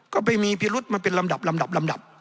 ก็ไปมีพิรุษมาเป็นลำดับลำดับลำดับ